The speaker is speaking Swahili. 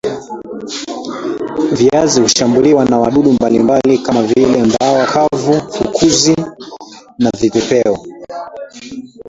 viazi hushambuliwa na wadudu mbalimbali kama vile mbawa kavu fukusi na vipepeo